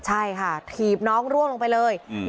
ใช่ค่ะถีบน้องร่วงลงไปเลย